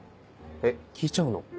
えっ聞いちゃうの？